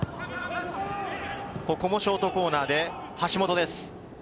ここもショートコーナーで橋本です。